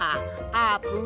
あーぷん！